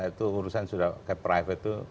itu urusan sudah cap private itu